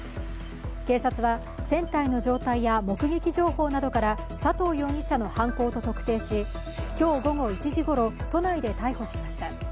警察は船体の状態や目撃情報などから佐藤容疑者の犯行と特定し、今日午後１時ごろ、都内で逮捕しました。